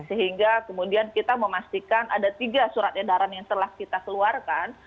sehingga kemudian kita memastikan ada tiga surat edaran yang telah kita keluarkan